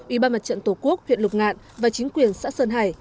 ubnd tổ quốc huyện lục ngạn và chính quyền xã sơn hải